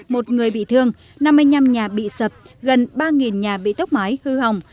một người bị thương năm mươi năm nhà bị sập gần ba nhà bị tốc mái hư hỏng